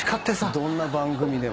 どんな番組でも。